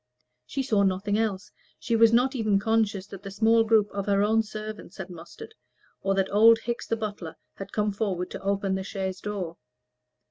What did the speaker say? She saw nothing else; she was not even conscious that the small group of her own servants had mustered, or that old Hickes the butler had come forward to open the chaise door.